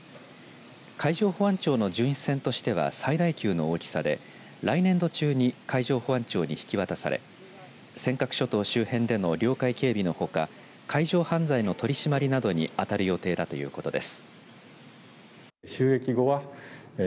海上保安庁の巡視船としては最大級の大きさで来年度中に海上保安庁に引き渡され尖閣諸島周辺での領海警備のほか海上犯罪の取り締まりなどに当たる予定だということです。